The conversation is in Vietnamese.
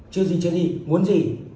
chưa gì chưa gì muốn gì